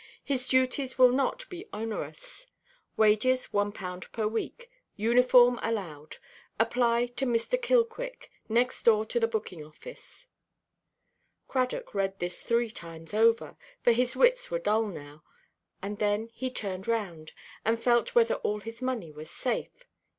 His duties will not be onerous. Wages one pound per week. Uniform allowed. Apply to Mr. Killquick, next door to the booking–office." Cradock read this three times over, for his wits were dull now, and then he turned round, and felt whether all his money was safe.